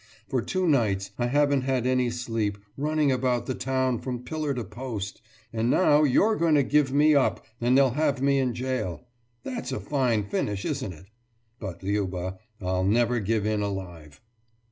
For two nights I haven't had any sleep, running about the town from pillar to post. And now, you're going to give me up and they'll have me in jail! That's a fine finish, isn't it? But, Liuba, I'll never give in alive....